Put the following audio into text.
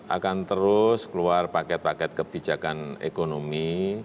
akan terus keluar paket paket kebijakan ekonomi